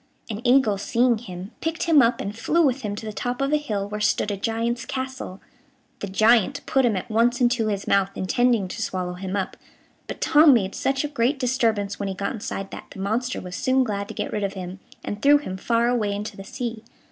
An eagle seeing him, picked him up and flew with him to the top of a hill where stood a giant's castle. The giant put him at once into his mouth, intending to swallow him up, but Tom made such a great disturbance when he got inside that the monster was soon glad to get rid of him, and threw him far away into the sea.